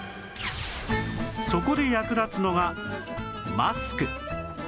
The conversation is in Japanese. そこで役立つのがマスク